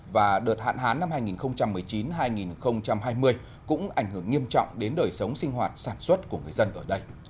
và đợt hạn hán năm hai nghìn một mươi chín hai nghìn hai mươi cũng ảnh hưởng nghiêm trọng đến đời sống sinh hoạt sản xuất của người dân ở đây